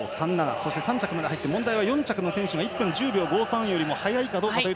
そして３着まで入って問題は４着の選手が１分１０秒５３より速いか。